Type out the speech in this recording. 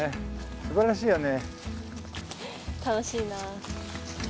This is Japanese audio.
すばらしいよね。